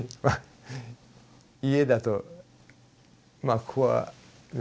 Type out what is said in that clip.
家だとまあここはね